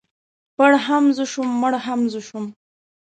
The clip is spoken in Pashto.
ـ پړ هم زه شوم مړ هم زه شوم.